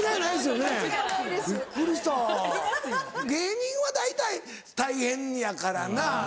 芸人は大体大変やからな。